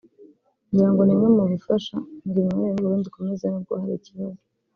ngira ngo ni imwe mu bifasha ngo imibanire n’u Burundi ikomeze nubwo hari ikibazo